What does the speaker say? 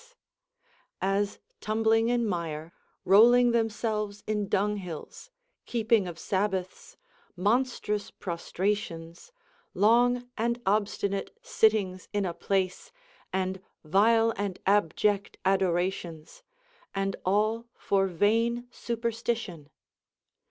171 as tumbling in mire, rolling themselves in dunghills, keep ing of Sabbaths, monstrous prostrations, long and obstinate sittings in a place, and Λάle and abject adorations, and all for vain superstition